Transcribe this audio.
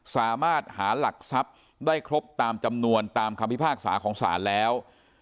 สามารถหาหลักทรัพย์ได้ครบตามจำนวนตามคำพิพากษาของศาลแล้ว